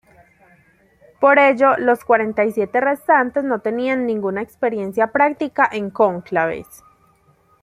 Por ello, los cuarenta y siete restantes no tenían ninguna experiencia práctica en cónclaves.